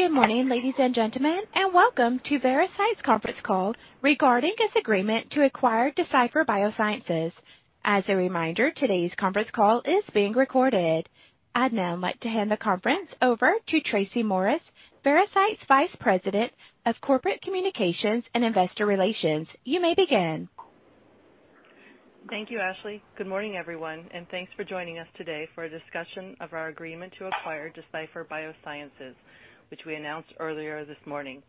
Good morning, ladies and gentlemen, and welcome to Veracyte's conference call regarding its agreement to acquire Decipher Biosciences. As a reminder, today's conference call is being recorded. I'd now like to hand the conference over to Tracy Morris, Veracyte's Vice President of Corporate Communications and Investor Relations. You may begin. Thank you, Ashley. Good morning, everyone, and thanks for joining us today for a discussion of our agreement to acquire Decipher Biosciences, which we announced earlier this morning.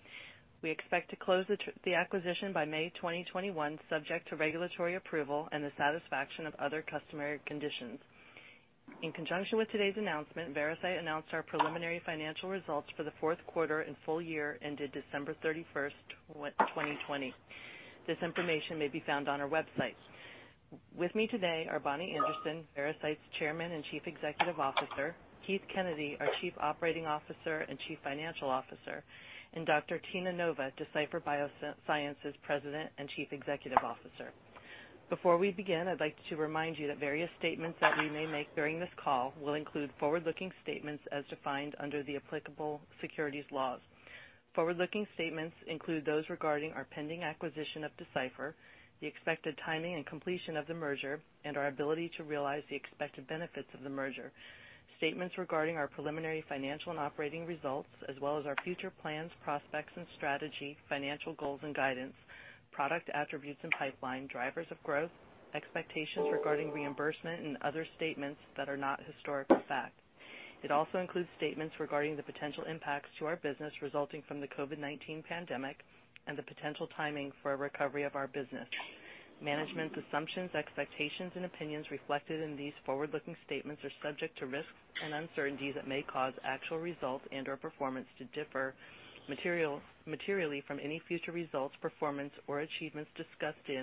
We expect to close the acquisition by May 2021, subject to regulatory approval and the satisfaction of other customary conditions. In conjunction with today's announcement, Veracyte announced our preliminary financial results for the fourth quarter and full year ended December 31st, 2020. This information may be found on our website. With me today are Bonnie Anderson, Veracyte's Chairman and Chief Executive Officer, Keith Kennedy, our Chief Operating Officer and Chief Financial Officer, and Dr. Tina Nova, Decipher Biosciences' President and Chief Executive Officer. Before we begin, I'd like to remind you that various statements that we may make during this call will include forward-looking statements as defined under the applicable securities laws. Forward-looking statements include those regarding our pending acquisition of Decipher, the expected timing and completion of the merger, and our ability to realize the expected benefits of the merger. Statements regarding our preliminary financial and operating results, as well as our future plans, prospects and strategy, financial goals and guidance, product attributes and pipeline, drivers of growth, expectations regarding reimbursement, and other statements that are not historical facts. It also includes statements regarding the potential impacts to our business resulting from the COVID-19 pandemic and the potential timing for a recovery of our business. Management's assumptions, expectations and opinions reflected in these forward-looking statements are subject to risks and uncertainties that may cause actual results and/or performance to differ materially from any future results, performance, or achievements discussed in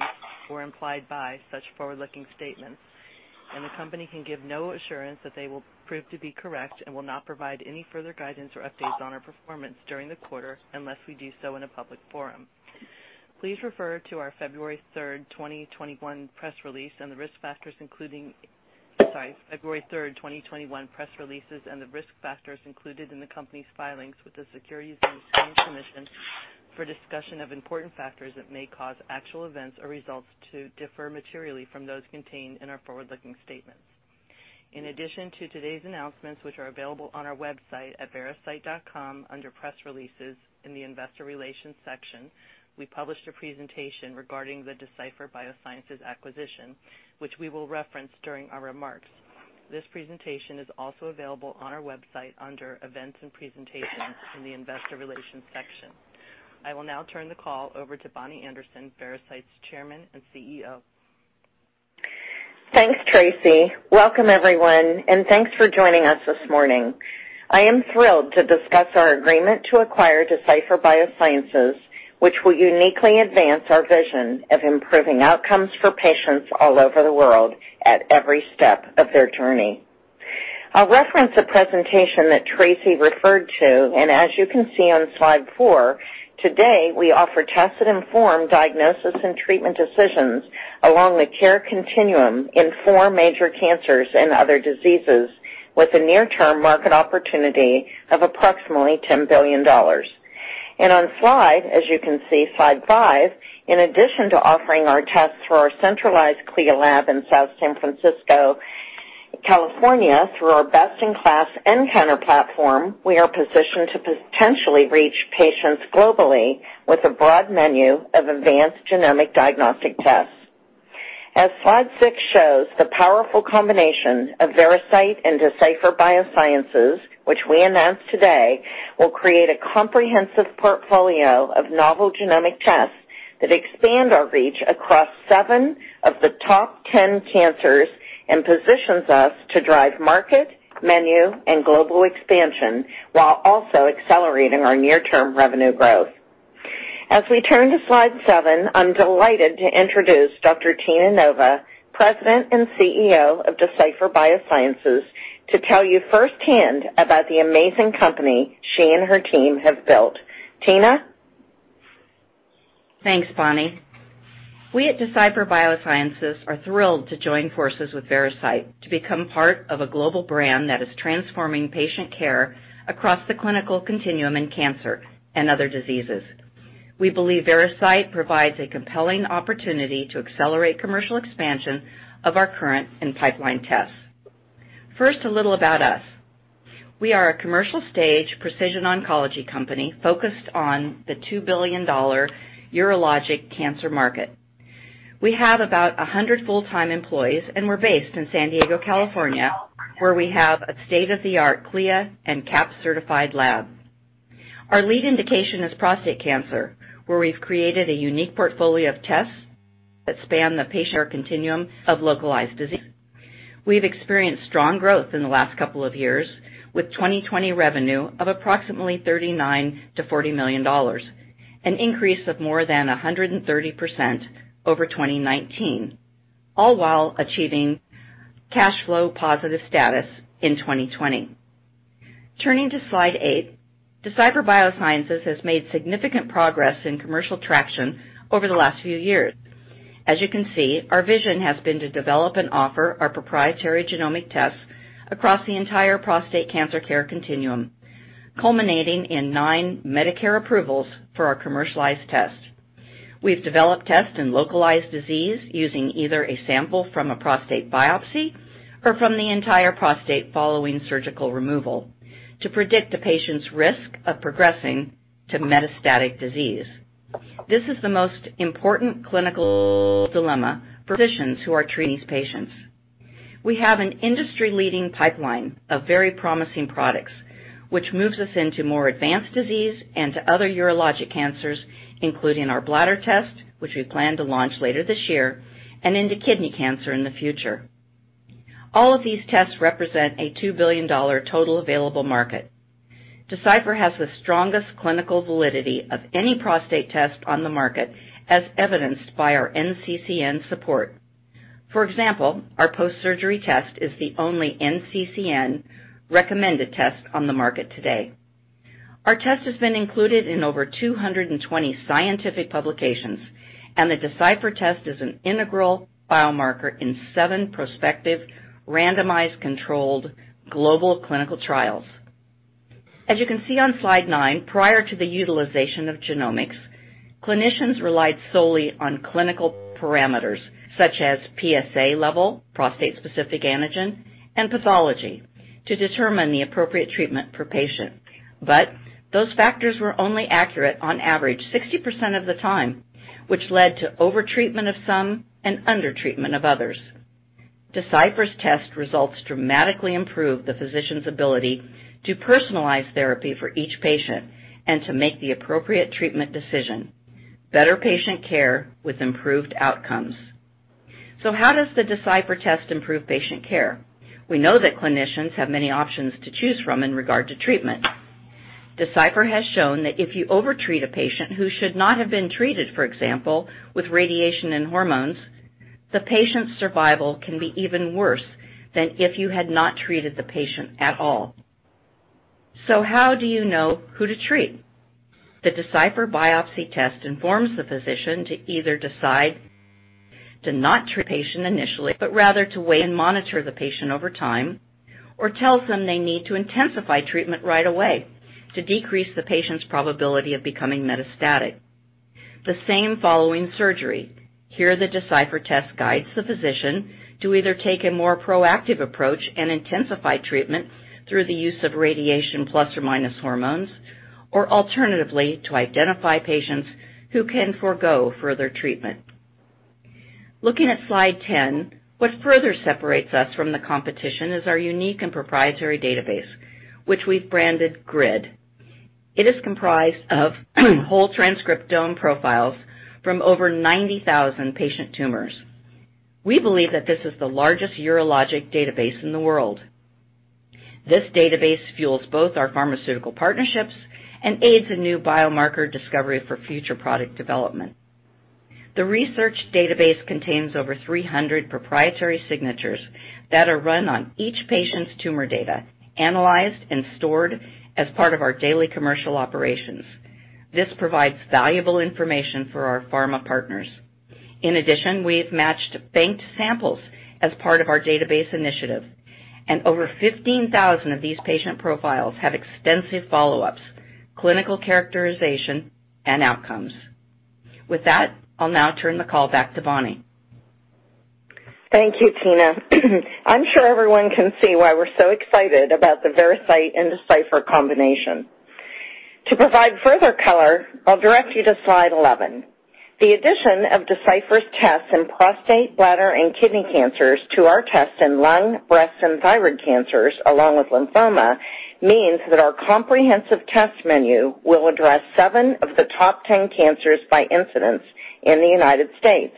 or implied by such forward-looking statements. The company can give no assurance that they will prove to be correct and will not provide any further guidance or updates on our performance during the quarter unless we do so in a public forum. Please refer to our February 3rd, 2021 press releases and the risk factors included in the company's filings with the Securities and Exchange Commission for a discussion of important factors that may cause actual events or results to differ materially from those contained in our forward-looking statements. In addition to today's announcements, which are available on our website at veracyte.com under Press Releases in the Investor Relations section, we published a presentation regarding the Decipher Biosciences acquisition, which we will reference during our remarks. This presentation is also available on our website under Events and Presentations in the Investor Relations section. I will now turn the call over to Bonnie Anderson, Veracyte's Chairman and CEO. Thanks, Tracy. Welcome, everyone, and thanks for joining us this morning. I am thrilled to discuss our agreement to acquire Decipher Biosciences, which will uniquely advance our vision of improving outcomes for patients all over the world at every step of their journey. I'll reference a presentation that Tracy referred to. As you can see on slide four, today, we offer tests and informed diagnosis and treatment decisions along the care continuum in four major cancers and other diseases with a near-term market opportunity of approximately $10 billion. On slide, as you can see, slide five. In addition to offering our tests through our centralized CLIA lab in South San Francisco, California, through our best-in-class nCounter platform, we are positioned to potentially reach patients globally with a broad menu of advanced genomic diagnostic tests. As slide six shows, the powerful combination of Veracyte and Decipher Biosciences, which we announced today, will create a comprehensive portfolio of novel genomic tests that expand our reach across seven of the top 10 cancers and positions us to drive market, menu, and global expansion while also accelerating our near-term revenue growth. As we turn to slide seven, I'm delighted to introduce Dr. Tina Nova, President and CEO of Decipher Biosciences, to tell you firsthand about the amazing company she and her team have built. Tina? Thanks, Bonnie. We at Decipher Biosciences are thrilled to join forces with Veracyte to become part of a global brand that is transforming patient care across the clinical continuum in cancer and other diseases. We believe Veracyte provides a compelling opportunity to accelerate commercial expansion of our current and pipeline tests. First, a little about us. We are a commercial stage precision oncology company focused on the $2 billion urologic cancer market. We have about 100 full-time employees. We're based in San Diego, California, where we have a state-of-the-art CLIA and CAP-certified lab. Our lead indication is prostate cancer, where we've created a unique portfolio of tests that span the patient continuum of localized disease. We've experienced strong growth in the last couple of years, with 2020 revenue of approximately $39 million-$40 million, an increase of more than 130% over 2019, all while achieving cash flow positive status in 2020. Turning to slide eight, Decipher Biosciences has made significant progress in commercial traction over the last few years. As you can see, our vision has been to develop and offer our proprietary genomic tests across the entire prostate cancer care continuum, culminating in nine Medicare approvals for our commercialized test. We've developed tests in localized disease using either a sample from a prostate biopsy or from the entire prostate following surgical removal to predict a patient's risk of progressing to metastatic disease. This is the most important clinical dilemma for physicians who are treating these patients. We have an industry-leading pipeline of very promising products, which moves us into more advanced disease and to other urologic cancers, including our bladder test, which we plan to launch later this year, and into kidney cancer in the future. All of these tests represent a $2 billion total available market. Decipher has the strongest clinical validity of any prostate test on the market, as evidenced by our NCCN support. For example, our post-surgery test is the only NCCN-recommended test on the market today. Our test has been included in over 220 scientific publications. The Decipher test is an integral biomarker in seven prospective randomized controlled global clinical trials. As you can see on slide nine, prior to the utilization of genomics, clinicians relied solely on clinical parameters such as PSA level, prostate-specific antigen, and pathology to determine the appropriate treatment per patient. Those factors were only accurate on average 60% of the time, which led to over-treatment of some and under-treatment of others. Decipher's test results dramatically improve the physician's ability to personalize therapy for each patient and to make the appropriate treatment decision. Better patient care with improved outcomes. How does the Decipher test improve patient care? We know that clinicians have many options to choose from in regard to treatment. Decipher has shown that if you over-treat a patient who should not have been treated, for example, with radiation and hormones, the patient's survival can be even worse than if you had not treated the patient at all. How do you know who to treat? The Decipher biopsy test informs the physician to either decide to not treat the patient initially, but rather to wait and monitor the patient over time, or tells them they need to intensify treatment right away to decrease the patient's probability of becoming metastatic. The same following surgery. Here, the Decipher test guides the physician to either take a more proactive approach and intensify treatment through the use of radiation plus or minus hormones, or alternatively, to identify patients who can forgo further treatment. Looking at slide 10, what further separates us from the competition is our unique and proprietary database, which we've branded GRID. It is comprised of whole transcriptome profiles from over 90,000 patient tumors. We believe that this is the largest urologic database in the world. This database fuels both our pharmaceutical partnerships and aids in new biomarker discovery for future product development. The research database contains over 300 proprietary signatures that are run on each patient's tumor data, analyzed and stored as part of our daily commercial operations. This provides valuable information for our pharma partners. In addition, we've matched banked samples as part of our database initiative, and over 15,000 of these patient profiles have extensive follow-ups, clinical characterization, and outcomes. With that, I'll now turn the call back to Bonnie. Thank you, Tina. I'm sure everyone can see why we're so excited about the Veracyte and Decipher combination. To provide further color, I'll direct you to slide 11. The addition of Decipher's tests in prostate, bladder, and kidney cancers to our test in lung, breast, and thyroid cancers, along with lymphoma, means that our comprehensive test menu will address seven of the top 10 cancers by incidence in the U.S.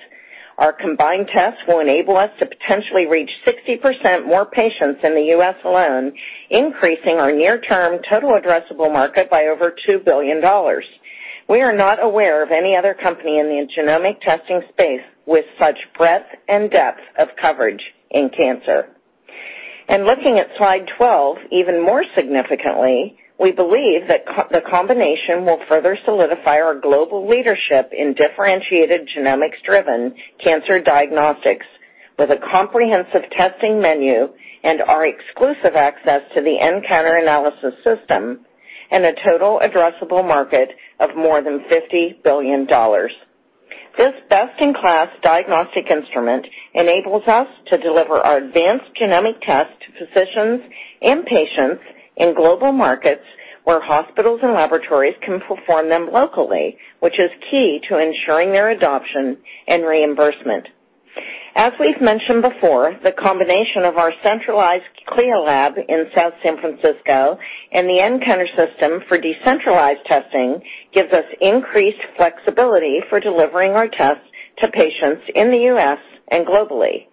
Our combined tests will enable us to potentially reach 60% more patients in the U.S. alone, increasing our near-term total addressable market by over $2 billion. We are not aware of any other company in the genomic testing space with such breadth and depth of coverage in cancer. Looking at slide 12, even more significantly, we believe that the combination will further solidify our global leadership in differentiated genomics-driven cancer diagnostics with a comprehensive testing menu and our exclusive access to the nCounter Analysis System and a total addressable market of more than $50 billion. This best-in-class diagnostic instrument enables us to deliver our advanced genomic test to physicians and patients in global markets where hospitals and laboratories can perform them locally, which is key to ensuring their adoption and reimbursement. As we've mentioned before, the combination of our centralized CLIA lab in South San Francisco and the nCounter system for decentralized testing gives us increased flexibility for delivering our tests to patients in the U.S. and globally.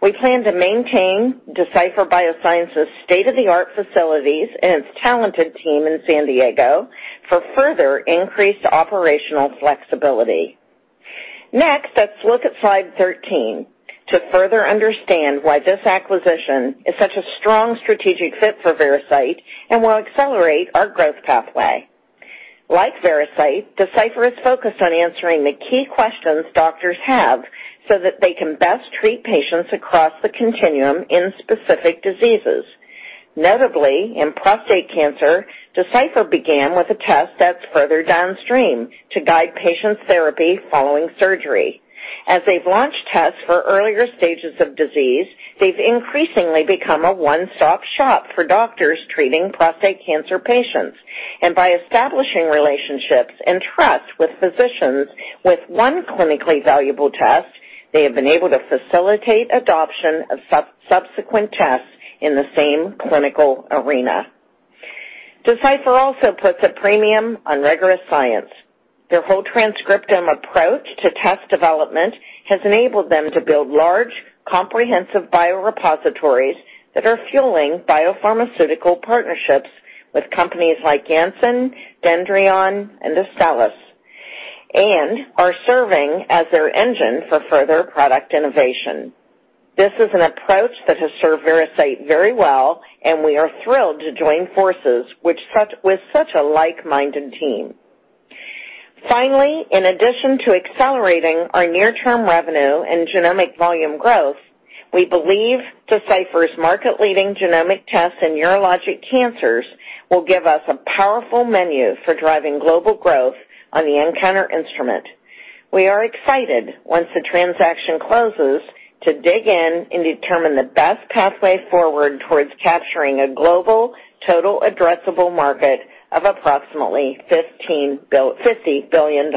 We plan to maintain Decipher Biosciences' state-of-the-art facilities and its talented team in San Diego for further increased operational flexibility. Let's look at slide 13 to further understand why this acquisition is such a strong strategic fit for Veracyte and will accelerate our growth pathway. Like Veracyte, Decipher is focused on answering the key questions doctors have so that they can best treat patients across the continuum in specific diseases. Notably, in prostate cancer, Decipher began with a test that's further downstream to guide patients' therapy following surgery. As they've launched tests for earlier stages of disease, they've increasingly become a one-stop shop for doctors treating prostate cancer patients. By establishing relationships and trust with physicians with one clinically valuable test, they have been able to facilitate adoption of subsequent tests in the same clinical arena. Decipher also puts a premium on rigorous science. Their whole transcriptome approach to test development has enabled them to build large, comprehensive biorepositories that are fueling biopharmaceutical partnerships with companies like Janssen, Dendreon, and Astellas, and are serving as their engine for further product innovation. This is an approach that has served Veracyte very well, and we are thrilled to join forces with such a like-minded team. Finally, in addition to accelerating our near-term revenue and genomic volume growth, we believe Decipher's market-leading genomic tests in urologic cancers will give us a powerful menu for driving global growth on the nCounter instrument. We are excited, once the transaction closes, to dig in and determine the best pathway forward towards capturing a global total addressable market of approximately $50 billion.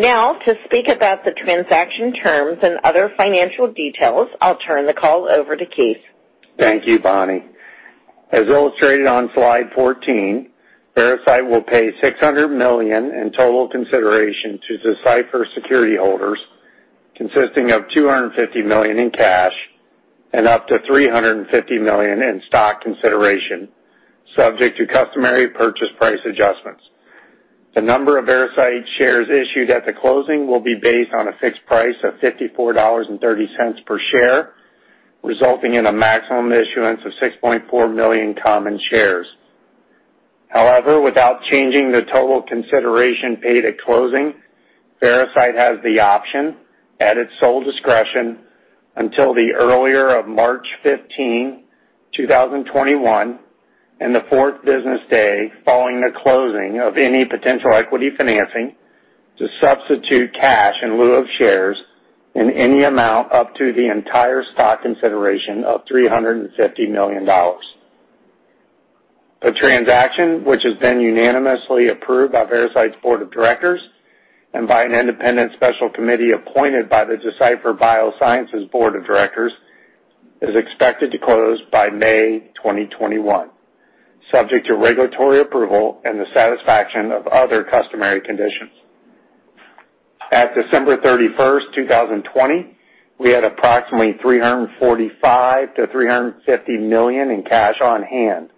Now, to speak about the transaction terms and other financial details, I'll turn the call over to Keith. Thank you, Bonnie. As illustrated on slide 14, Veracyte will pay $600 million in total consideration to Decipher security holders, consisting of $250 million in cash and up to $350 million in stock consideration, subject to customary purchase price adjustments. The number of Veracyte shares issued at the closing will be based on a fixed price of $54.30 per share, resulting in a maximum issuance of 6.4 million common shares. However, without changing the total consideration paid at closing, Veracyte has the option, at its sole discretion, until the earlier of March 15, 2021, and the fourth business day following the closing of any potential equity financing, to substitute cash in lieu of shares in any amount up to the entire stock consideration of $350 million. The transaction, which has been unanimously approved by Veracyte's Board of Directors and by an independent special committee appointed by the Decipher Biosciences' Board of Directors, is expected to close by May 2021, subject to regulatory approval and the satisfaction of other customary conditions. At December 31st, 2020, we had approximately $345 million-$350 million in cash on hand.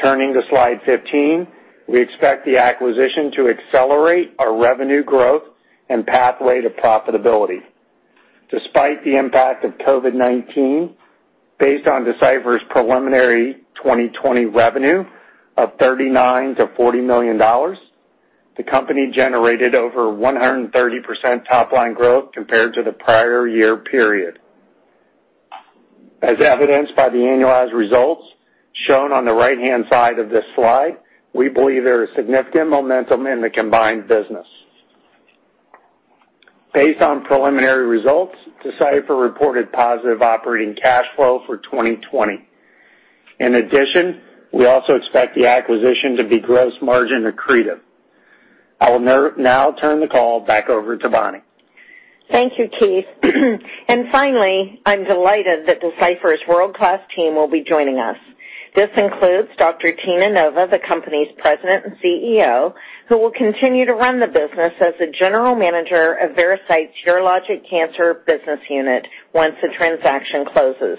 Turning to slide 15, we expect the acquisition to accelerate our revenue growth and pathway to profitability. Despite the impact of COVID-19, based on Decipher's preliminary 2020 revenue of $39 million-$40 million, the company generated over 130% top-line growth compared to the prior year period. As evidenced by the annualized results shown on the right-hand side of this slide, we believe there is significant momentum in the combined business. Based on preliminary results, Decipher reported positive operating cash flow for 2020. In addition, we also expect the acquisition to be gross margin accretive. I will now turn the call back over to Bonnie. Thank you, Keith. Finally, I'm delighted that Decipher's world-class team will be joining us. This includes Dr. Tina Nova, the company's President and CEO, who will continue to run the business as the General Manager of Veracyte's Urologic Cancer business unit once the transaction closes.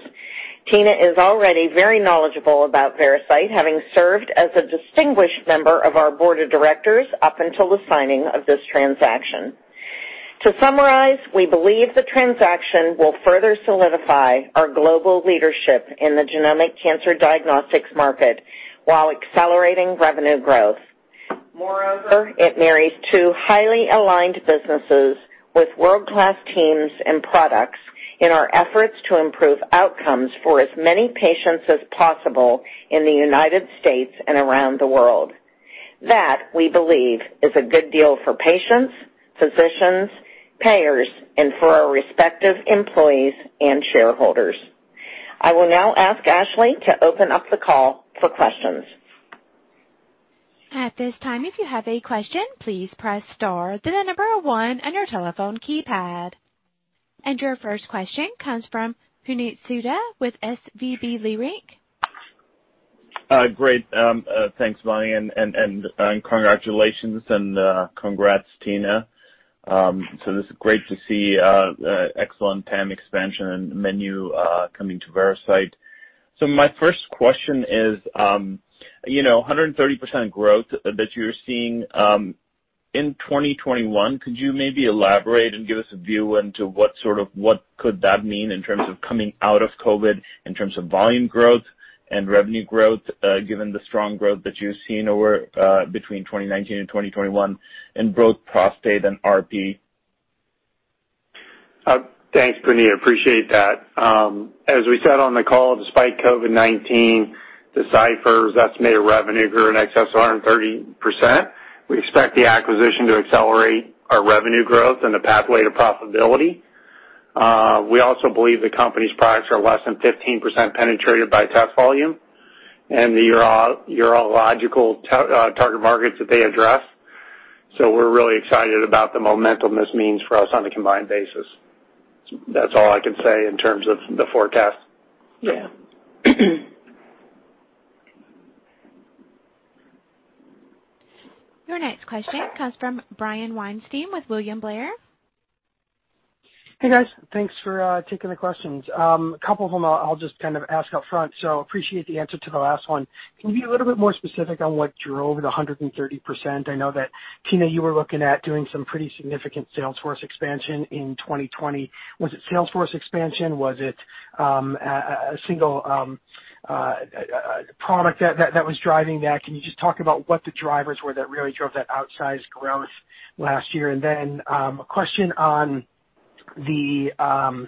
Tina is already very knowledgeable about Veracyte, having served as a distinguished member of our Board of Directors up until the signing of this transaction. To summarize, we believe the transaction will further solidify our global leadership in the genomic cancer diagnostics market while accelerating revenue growth. Moreover, it marries two highly aligned businesses with world-class teams and products in our efforts to improve outcomes for as many patients as possible in the U.S. and around the world. That, we believe, is a good deal for patients, physicians, payers, and for our respective employees and shareholders. I will now ask Ashley to open up the call for questions. At this time if you have a question, please press star then the number one on your telephone keypad. Your first question comes from Puneet Souda with SVB Leerink. Great. Thanks, Bonnie, and congratulations. Congrats, Tina. This is great to see excellent TAM expansion and menu coming to Veracyte. My first question is, 130% growth that you're seeing in 2021, could you maybe elaborate and give us a view into what could that mean in terms of coming out of COVID, in terms of volume growth and revenue growth given the strong growth that you're seeing between 2019 and 2021 in both prostate and RP? Thanks, Puneet. Appreciate that. As we said on the call, despite COVID-19, Decipher's estimated revenue grew in excess of 130%. We expect the acquisition to accelerate our revenue growth and the pathway to profitability. We also believe the company's products are less than 15% penetrated by test volume in the urological target markets that they address. We're really excited about the momentum this means for us on a combined basis. That's all I can say in terms of the forecast. Yeah. Your next question comes from Brian Weinstein with William Blair. Hey, guys. Thanks for taking the questions. A couple of them I'll just ask up front, so appreciate the answer to the last one. Can you be a little bit more specific on what drove the 130%? I know that, Tina, you were looking at doing some pretty significant sales force expansion in 2020. Was it sales force expansion? Was it a single product that was driving that? Can you just talk about what the drivers were that really drove that outsized growth last year? A question on the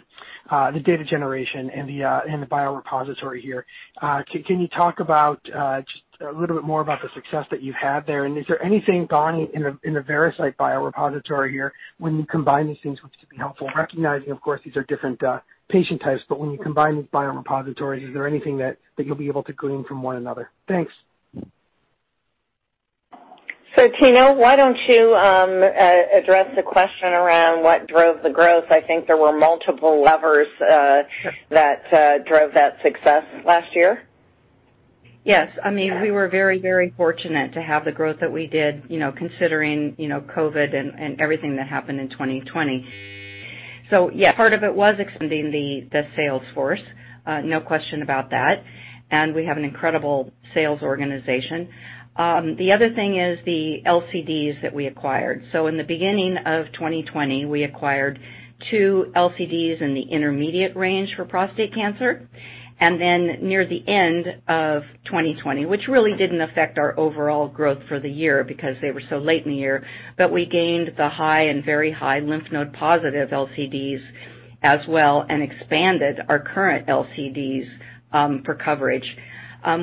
data generation and the biorepository here. Can you talk just a little bit more about the success that you've had there? Is there anything going in the Veracyte biorepository here when you combine these things, which would be helpful, recognizing, of course, these are different patient types. But when you combine these biorepositories, is there anything that you'll be able to glean from one another? Thanks. Tina, why don't you address the question around what drove the growth? I think there were multiple levers that drove that success last year. Yes. We were very fortunate to have the growth that we did considering COVID and everything that happened in 2020. Yeah, part of it was expanding the sales force. No question about that. We have an incredible sales organization. The other thing is the LCDs that we acquired. In the beginning of 2020, we acquired two LCDs in the intermediate range for prostate cancer. Then, near the end of 2020, which really didn't affect our overall growth for the year because they were so late in the year, we gained the high and very high lymph-node-positive LCDs as well and expanded our current LCDs for coverage.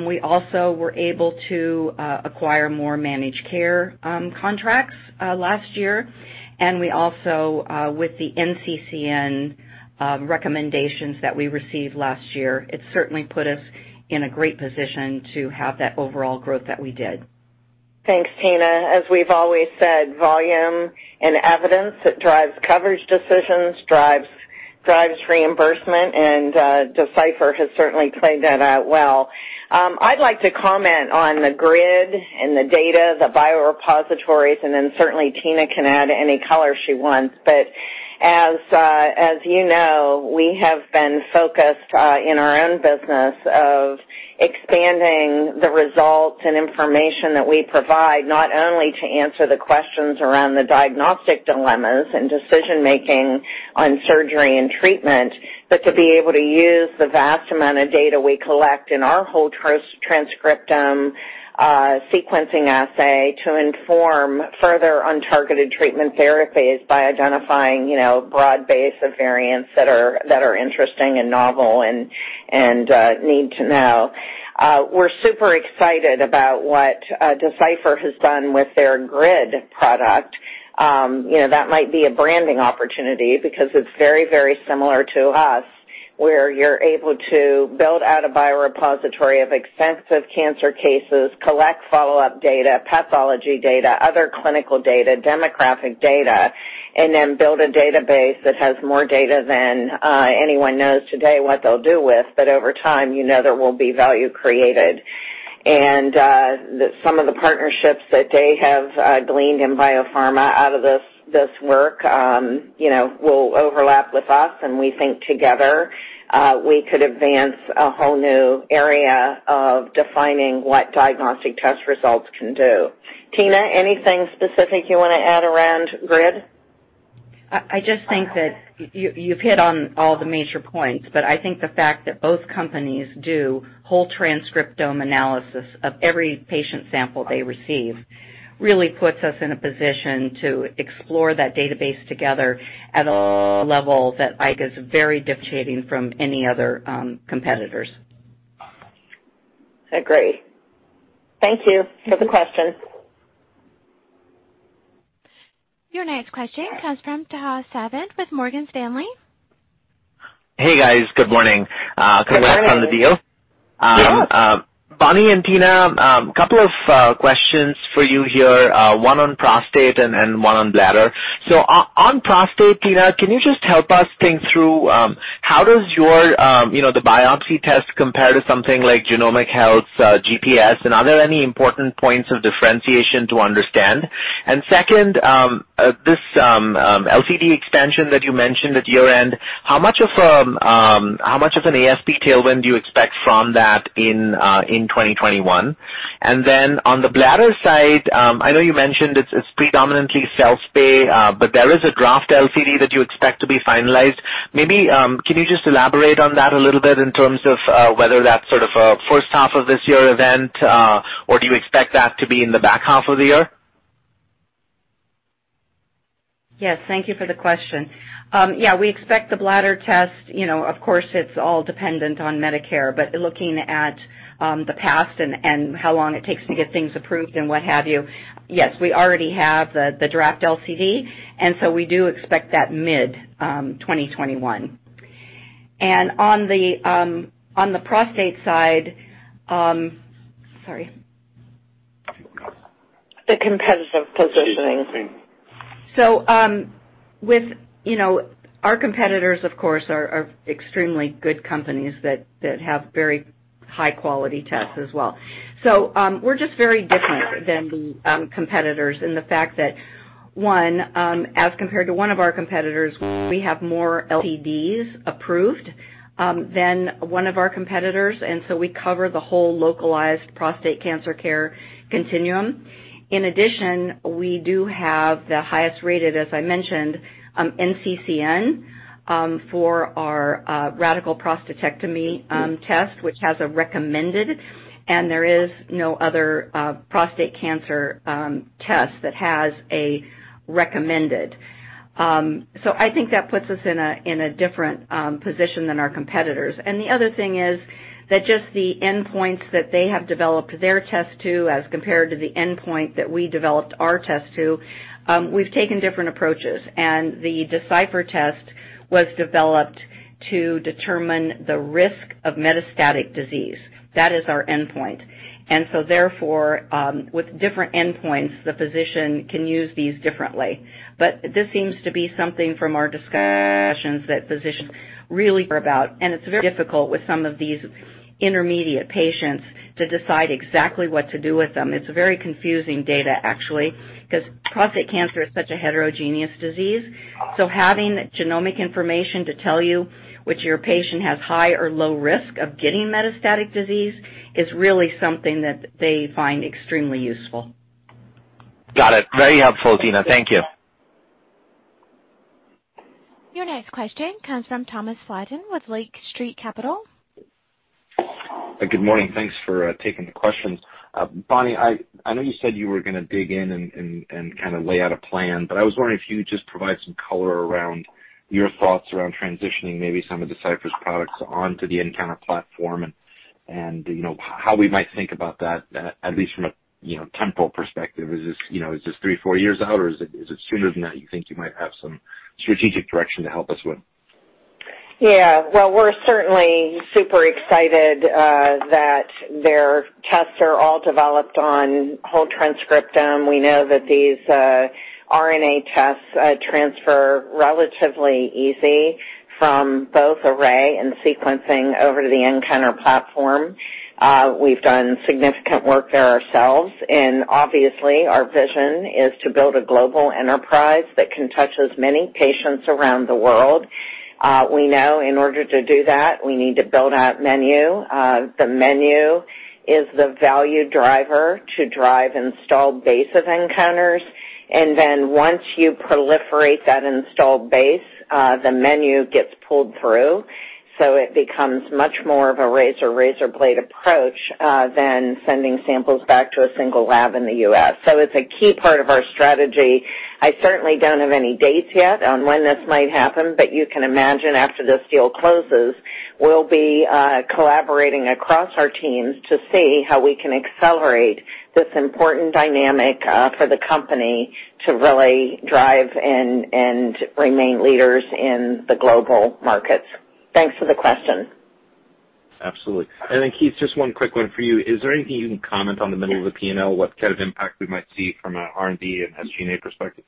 We also were able to acquire more managed care contracts last year. We also, with the NCCN recommendations that we received last year, it certainly put us in a great position to have that overall growth that we did. Thanks, Tina. As we've always said, volume and evidence, it drives coverage decisions, drives reimbursement, and Decipher has certainly played that out well. I'd like to comment on the GRID and the data, the biorepositories, and then certainly Tina can add any color she wants. As you know, we have been focused in our own business of expanding the results and information that we provide, not only to answer the questions around the diagnostic dilemmas and decision-making on surgery and treatment, but to be able to use the vast amount of data we collect in our whole transcriptome sequencing assay to inform further untargeted treatment therapies by identifying broad base of variants that are interesting and novel and need to know. We're super excited about what Decipher has done with their GRID product. That might be a branding opportunity because it's very similar to us, where you're able to build out a biorepository of extensive cancer cases, collect follow-up data, pathology data, other clinical data, demographic data, and then build a database that has more data than anyone knows today what they'll do with. Over time, you know there will be value created. Some of the partnerships that they have gleaned in biopharma out of this work will overlap with us, and we think together, we could advance a whole new area of defining what diagnostic test results can do. Tina, anything specific you want to add around GRID? I just think that you've hit on all the major points, but I think the fact that both companies do whole transcriptome analysis of every patient sample they receive really puts us in a position to explore that database together at a level that I think is very differentiating from any other competitors. Agree. Thank you for the question. Your next question comes from Tejas Savant with Morgan Stanley. Hey, guys. Good morning. Good morning. Congrats on the deal. Yeah. Bonnie and Tina, couple of questions for you here, one on prostate and one on bladder. On prostate, Tina, can you just help us think through how does the biopsy test compare to something like Genomic Health's GPS, and are there any important points of differentiation to understand? Second, this LCD expansion that you mentioned at year-end, how much of an ASP tailwind do you expect from that in 2021? On the bladder side, I know you mentioned it's predominantly self-pay, but there is a draft LCD that you expect to be finalized. Maybe can you just elaborate on that a little bit in terms of whether that's a first half of this year event, or do you expect that to be in the back half of the year? Yes, thank you for the question. Yeah, we expect the bladder test, of course, it's all dependent on Medicare. But looking at the past and how long it takes to get things approved and what have you, yes, we already have the draft LCD. We do expect that mid-2021. On the prostate side. Sorry. The competitive positioning. Our competitors, of course, are extremely good companies that have very high-quality tests as well. We're just very different than the competitors in the fact that, one, as compared to one of our competitors, we have more LCDs approved than one of our competitors. We cover the whole localized prostate cancer care continuum. In addition, we do have the highest-rated, as I mentioned, NCCN, for our radical prostatectomy test, which has a recommended, and there is no other prostate cancer test that has a recommended. I think that puts us in a different position than our competitors. The other thing is that just the endpoints that they have developed their test to as compared to the endpoint that we developed our test to, we've taken different approaches. The Decipher test was developed to determine the risk of metastatic disease. That is our endpoint. Therefore, with different endpoints, the physician can use these differently. This seems to be something from our discussions that physicians really care about, and it's very difficult with some of these intermediate patients to decide exactly what to do with them. It's very confusing data, actually, because prostate cancer is such a heterogeneous disease. Having genomic information to tell you which your patient has high or low risk of getting metastatic disease is really something that they find extremely useful. Got it. Very helpful, Tina. Thank you. Your next question comes from Thomas Flaten with Lake Street Capital. Good morning. Thanks for taking the questions. Bonnie, I know you said you were going to dig in and kind of lay out a plan. I was wondering if you would just provide some color around your thoughts around transitioning maybe some of Decipher's products onto the nCounter platform and how we might think about that, at least from a temporal perspective. Is this three, four years out or is it sooner than that you think you might have some strategic direction to help us with? Yeah. Well, we're certainly super excited that their tests are all developed on whole transcriptome. We know that these RNA tests transfer relatively easy from both array and sequencing over to the nCounter platform. We've done significant work there ourselves. Obviously, our vision is to build a global enterprise that can touch as many patients around the world. We know in order to do that, we need to build out menu. The menu is the value driver to drive installed base of nCounters. Then once you proliferate that installed base, the menu gets pulled through. It becomes much more of a razor-razorblade approach than sending samples back to a single lab in the U.S. It's a key part of our strategy. I certainly don't have any dates yet on when this might happen, but you can imagine after this deal closes, we'll be collaborating across our teams to see how we can accelerate this important dynamic for the company to really drive and remain leaders in the global markets. Thanks for the question. Absolutely. Keith, just one quick one for you. Is there anything you can comment on the middle of the P&L, what kind of impact we might see from an R&D and SG&A perspective?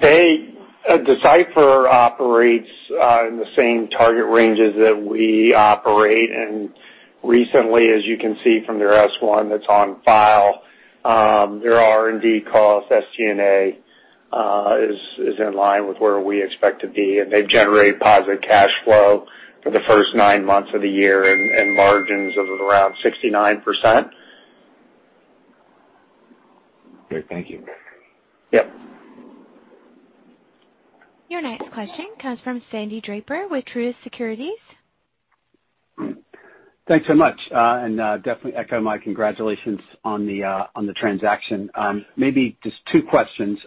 Decipher operates in the same target ranges that we operate in. Recently, as you can see from their S-1 that's on file, their R&D cost, SG&A is in line with where we expect to be, and they've generated positive cash flow for the first nine months of the year and margins of around 69%. Great. Thank you. Yep. Your next question comes from Sandy Draper with Truist Securities. Thanks so much. Definitely echo my congratulations on the transaction. Maybe just two questions.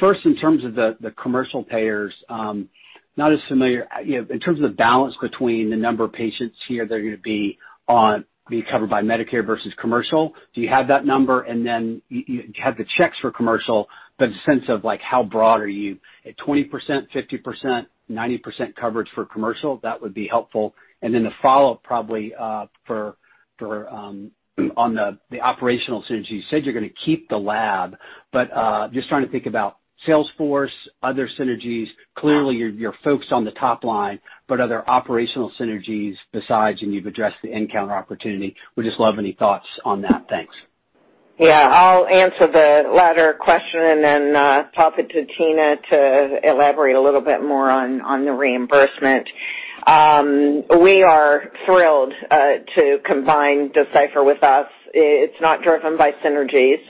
First, in terms of the commercial payers. Not as familiar, in terms of the balance between the number of patients here that are going to be covered by Medicare versus commercial, do you have that number? You have the checks for commercial, but a sense of how broad are you? At 20%, 50%, 90% coverage for commercial? That would be helpful. The follow-up probably on the operational synergy. You said you're going to keep the lab, but just trying to think about sales force, other synergies. Clearly, you're focused on the top line, but are there operational synergies besides? And, you've addressed the nCounter opportunity. Would just love any thoughts on that. Thanks. Yeah, I'll answer the latter question, and then pop it to Tina to elaborate a little bit more on the reimbursement. We are thrilled to combine Decipher with us. It's not driven by synergies.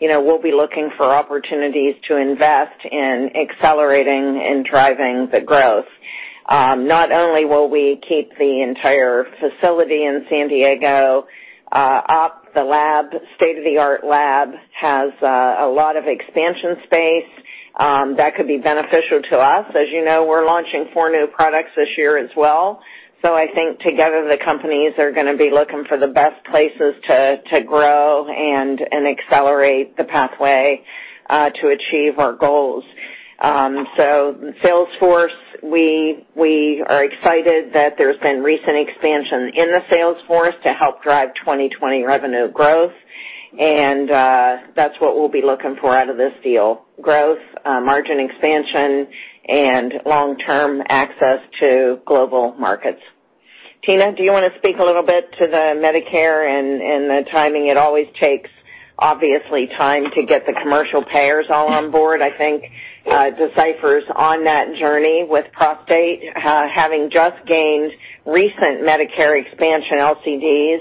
We'll be looking for opportunities to invest in accelerating and driving the growth. Not only will we keep the entire facility in San Diego up, the state-of-the-art lab has a lot of expansion space that could be beneficial to us. As you know, we're launching four new products this year as well. I think together, the companies are going to be looking for the best places to grow and accelerate the pathway to achieve our goals. Sales force, we are excited that there's been recent expansion in the sales force to help drive 2020 revenue growth. That's what we'll be looking for out of this deal, growth, margin expansion, and long-term access to global markets. Tina, do you want to speak a little bit to the Medicare and the timing? It always takes, obviously, time to get the commercial payers all on board. I think Decipher's on that journey with prostate, having just gained recent Medicare expansion LCDs.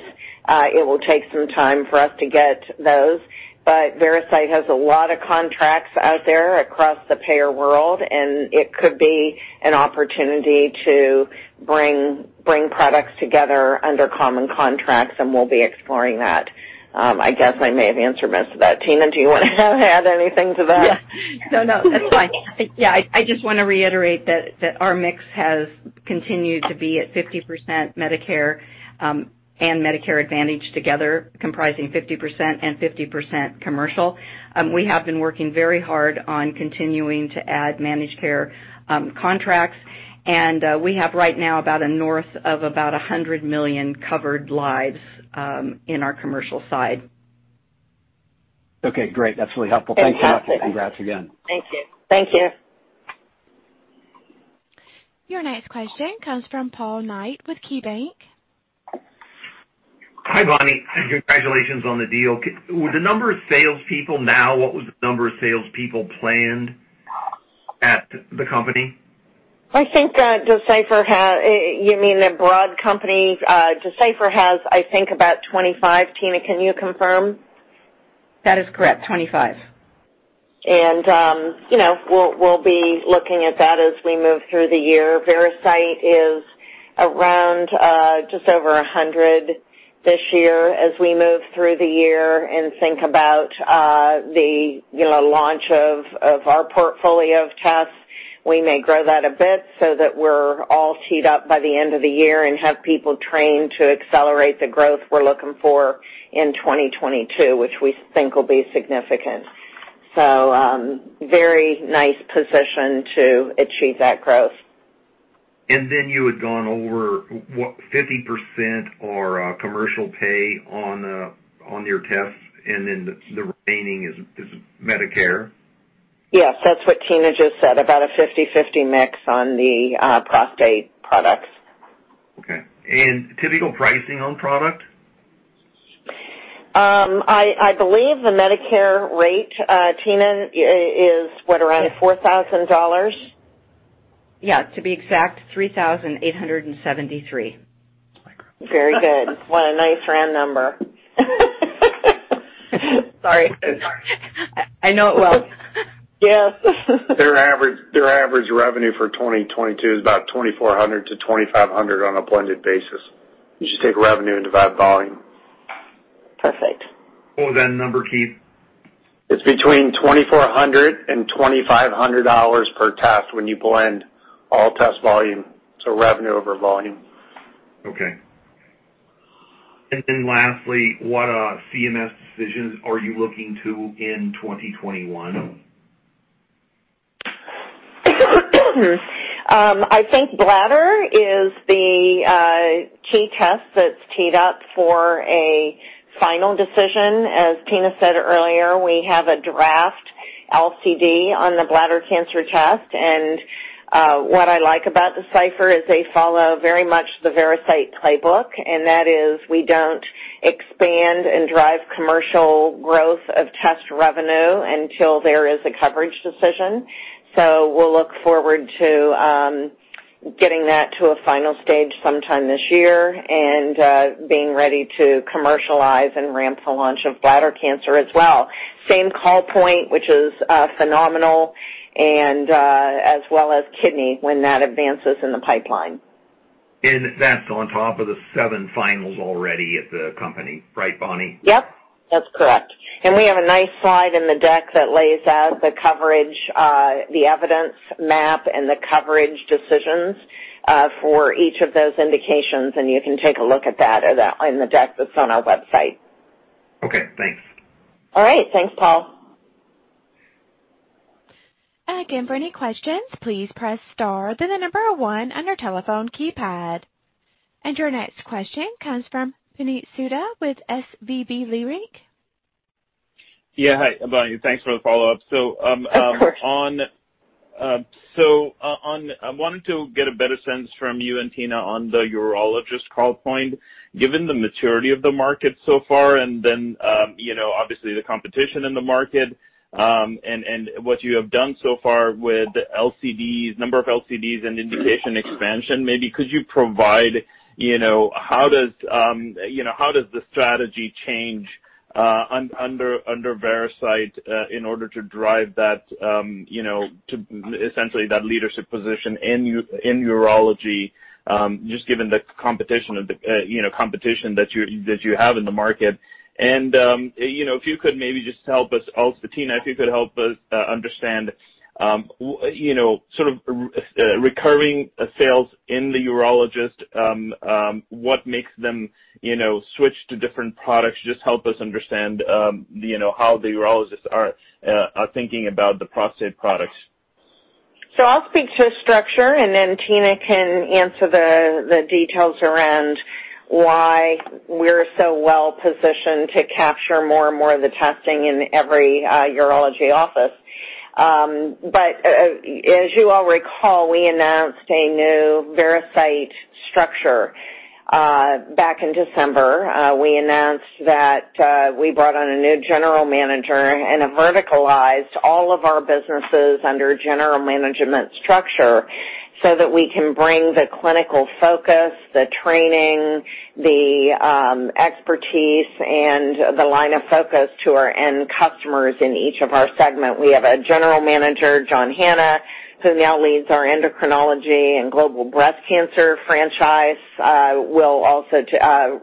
It will take some time for us to get those. Veracyte has a lot of contracts out there across the payer world, and it could be an opportunity to bring products together under common contracts, and we'll be exploring that. I guess I may have answered most of that. Tina, do you want to add anything to that? Yeah. No, that's fine. I just want to reiterate that our mix has continued to be at 50% Medicare, and Medicare Advantage together comprising 50%, and 50% commercial. We have been working very hard on continuing to add managed care contracts, and we have right now about a north of about 100 million covered lives in our commercial side. Okay, great. That's really helpful. Thank you. Fantastic. Congrats again. Thank you. Thank you. Your next question comes from Paul Knight with KeyBanc. Hi, Bonnie, and congratulations on the deal. The number of salespeople now, what was the number of salespeople planned at the company? You mean the broad company? Decipher has, I think, about 25 salespeople. Tina, can you confirm? That is correct, 25 salespeople. We'll be looking at that as we move through the year. Veracyte is around just over 100 this year. As we move through the year and think about the launch of our portfolio of tests, we may grow that a bit so that we're all teed up by the end of the year and have people trained to accelerate the growth we're looking for in 2022, which we think will be significant. Very nice position to achieve that growth. You had gone over 50% or commercial pay on your tests, and then the remaining is Medicare? Yes, that's what Tina just said, about a 50/50 mix on the prostate products. Okay. Typical pricing on product? I believe the Medicare rate, Tina, is what? Around $4,000. Yeah. To be exact, $3,873. Very good. What a nice round number. Sorry. I know it well. Yes. Their average revenue for 2022 is about $2,400-$2,500 on a blended basis. You just take revenue and divide volume. Perfect. What was that number, Keith? It's between $2,400 and $2,500 per test when you blend all test volume, so revenue over volume. Okay. Lastly, what CMS decisions are you looking to in 2021? I think bladder is the key test that's teed up for a final decision. As Tina said earlier, we have a draft LCD on the bladder cancer test. What I like about Decipher is they follow very much the Veracyte playbook. That is, we don't expand and drive commercial growth of test revenue until there is a coverage decision. We'll look forward to getting that to a final stage sometime this year and being ready to commercialize and ramp the launch of bladder cancer as well. Same call point, which is phenomenal. As well as kidney, when that advances in the pipeline. That's on top of the seven finals already at the company. Right, Bonnie? Yep, that's correct. We have a nice slide in the deck that lays out the evidence map and the coverage decisions for each of those indications, and you can take a look at that in the deck that's on our website. Okay, thanks. All right. Thanks, Paul. Again, for any questions, please press star, then the number one on your telephone keypad. Your next question comes from Puneet Souda with SVB Leerink. Yeah. Hi, Bonnie. Thanks for the follow-up. Of course. I wanted to get a better sense from you and Tina on the urologist call point, given the maturity of the market so far. Then obviously, the competition in the market, and what you have done so far with number of LCDs and indication expansion. Maybe could you provide, how does the strategy change under Veracyte in order to drive essentially that leadership position in urology, just given the competition that you have in the market? If you could maybe just help us, also Tina, if you could help us understand recurring sales in the urologist, what makes them switch to different products? Just help us understand how the urologists are thinking about the prostate products. I'll speak to structure, and then Tina can answer the details around why we're so well-positioned to capture more and more of the testing in every urology office. As you all recall, we announced a new Veracyte structure back in December. We announced that we brought on a new General Manager and have verticalized all of our businesses under general management structure so that we can bring the clinical focus, the training, the expertise, and the line of focus to our end customers in each of our segment. We have a General Manager, John Hanna, who now leads our endocrinology and global breast cancer franchise, will also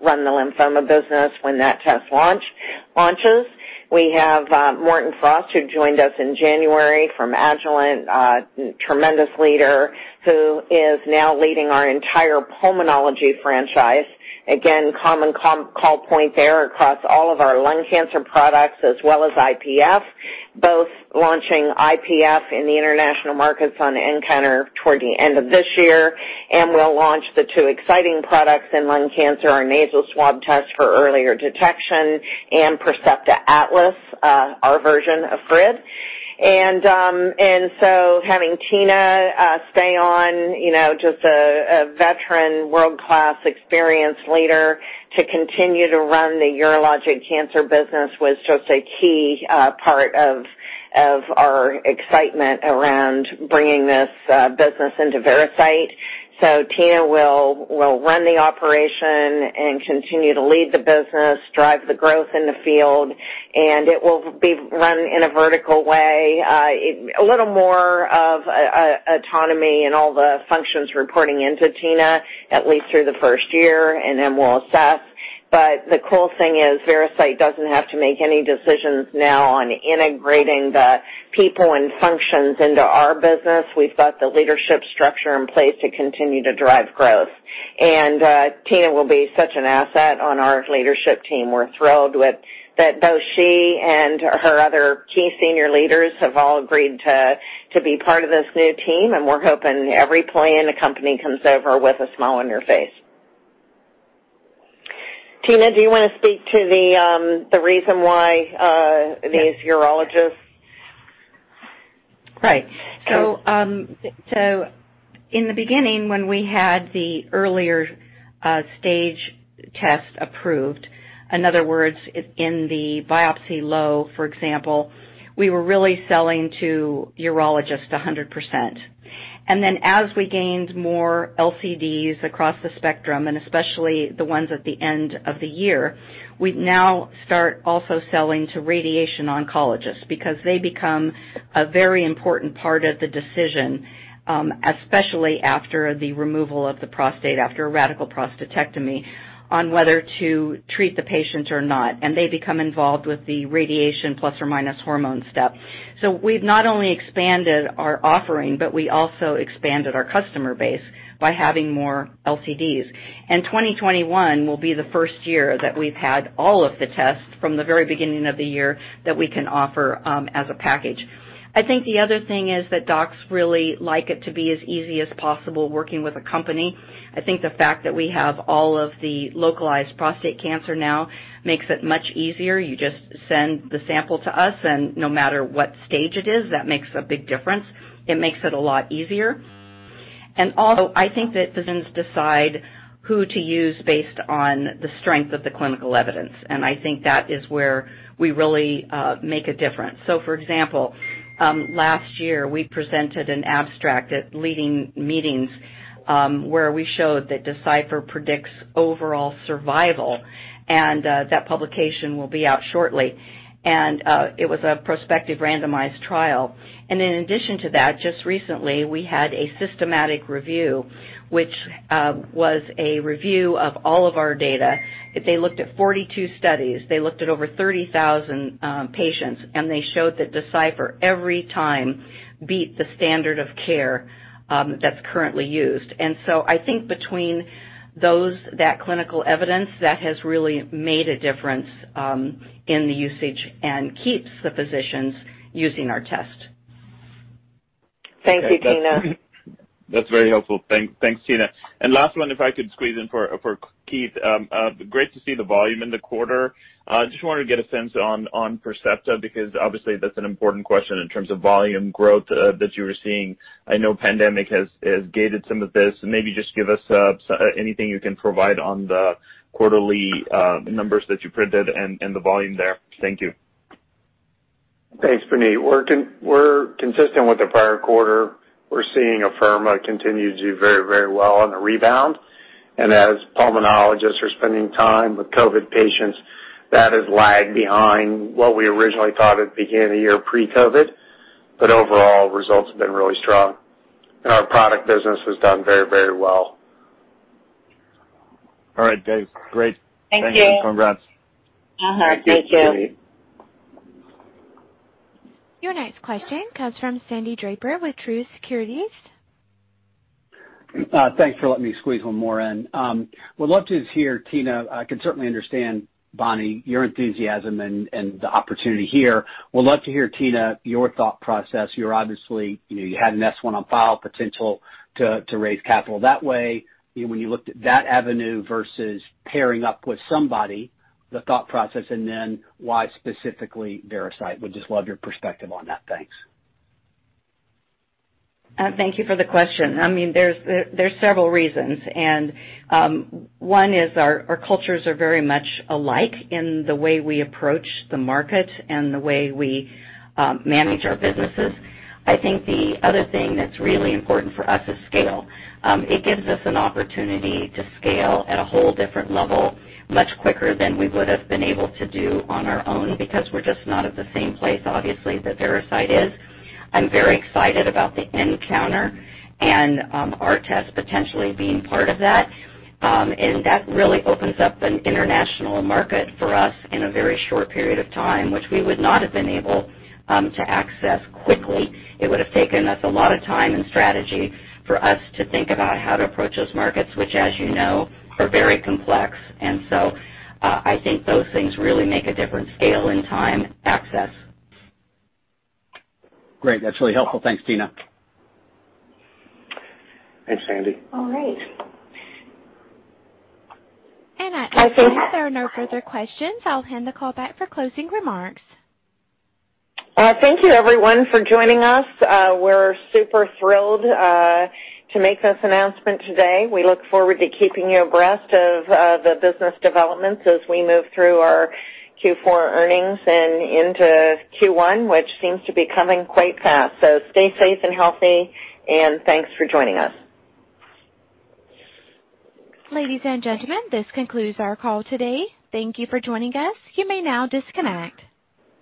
run the lymphoma business when that test launches. We have Morten Frost, who joined us in January from Agilent, a tremendous leader who is now leading our entire pulmonology franchise. Common call point there across all of our lung cancer products as well as IPF, both launching IPF in the international markets on nCounter toward the end of this year. We'll launch the two exciting products in lung cancer, our nasal swab test for earlier detection, and Percepta Atlas, our version of GRID. Having Tina stay on, just a veteran, world-class, experienced leader to continue to run the urologic cancer business was just a key part of our excitement around bringing this business into Veracyte. Tina will run the operation and continue to lead the business, drive the growth in the field, and it will be run in a vertical way. A little more of autonomy and all the functions reporting into Tina, at least through the first year, and then we'll assess. The cool thing is Veracyte doesn't have to make any decisions now on integrating the people and functions into our business. We've got the leadership structure in place to continue to drive growth. Tina will be such an asset on our leadership team. We're thrilled that both she and her other key senior leaders have all agreed to be part of this new team, and we're hoping every employee in the company comes over with a smile on their face. Tina, do you want to speak to the reason why these urologists? Right. In the beginning, when we had the earlier-stage test approved, in other words, in the biopsy low, for example, we were really selling to urologists 100%. Then as we gained more LCDs across the spectrum. Especially the ones at the end of the year, we'd now start also selling to radiation oncologists because they become a very important part of the decision, especially after the removal of the prostate after a radical prostatectomy, on whether to treat the patients or not. They become involved with the radiation plus or minus hormone step. We've not only expanded our offering, but we also expanded our customer base by having more LCDs. 2021 will be the first year that we've had all of the tests from the very beginning of the year that we can offer as a package. I think the other thing is that docs really like it to be as easy as possible working with a company. I think the fact that we have all of the localized prostate cancer now makes it much easier. You just send the sample to us, no matter what stage it is, that makes a big difference. It makes it a lot easier. I think that physicians decide who to use based on the strength of the clinical evidence. I think that is where we really make a difference. For example, last year, we presented an abstract at leading meetings, where we showed that Decipher predicts overall survival, and that publication will be out shortly. It was a prospective randomized trial. In addition to that, just recently, we had a systematic review, which was a review of all of our data. They looked at 42 studies. They looked at over 30,000 patients. They showed that Decipher, every time, beat the standard of care that's currently used. I think between that clinical evidence, that has really made a difference in the usage and keeps the physicians using our test. Thank you, Tina. That's very helpful. Thanks, Tina. Last one, if I could squeeze in for Keith. Great to see the volume in the quarter. Just wanted to get a sense on Percepta, because obviously that's an important question in terms of volume growth that you were seeing. I know pandemic has gated some of this. Maybe just give us anything you can provide on the quarterly numbers that you printed and the volume there? Thank you. Thanks, Puneet. We're consistent with the prior quarter. We're seeing Afirma continue to do very well on the rebound. As pulmonologists are spending time with COVID patients, that has lagged behind what we originally thought at the beginning of the year pre-COVID. Overall, results have been really strong, and our product business has done very, very well. All right, that's great. Thank you. Thanks, and congrats. Thank you. Thank you, Puneet. Your next question comes from Sandy Draper with Truist Securities. Thanks for letting me squeeze one more in. I can certainly understand, Bonnie, your enthusiasm and the opportunity here. Would love to hear, Tina, your thought process. You obviously had an S-1 on file, potential to raise capital that way. When you looked at that avenue versus pairing up with somebody, the thought process, and then why specifically Veracyte? Would just love your perspective on that. Thanks. Thank you for the question. There's several reasons. One is our cultures are very much alike in the way we approach the market and the way we manage our businesses. I think the other thing that's really important for us is scale. It gives us an opportunity to scale at a whole different level much quicker than we would've been able to do on our own, because we're just not at the same place, obviously, that Veracyte is. I'm very excited about the nCounter and our test potentially being part of that. That really opens up an international market for us in a very short period of time, which we would not have been able to access quickly. It would've taken us a lot of time and strategy for us to think about how to approach those markets, which as you know, are very complex. I think those things really make a difference, scale and time, access. Great. That's really helpful. Thanks, Tina. Thanks, Sandy. All right. At this time, if there are no further questions, I'll hand the call back for closing remarks. Thank you everyone for joining us. We're super thrilled to make this announcement today. We look forward to keeping you abreast of the business developments as we move through our Q4 earnings and into Q1, which seems to be coming quite fast. Stay safe and healthy, and thanks for joining us. Ladies and gentlemen, this concludes our call today. Thank you for joining us. You may now disconnect.